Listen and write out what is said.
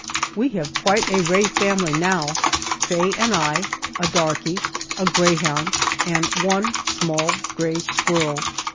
We have quite a Rae family now Faye and I a darky, a greyhound, and one small gray squirrel!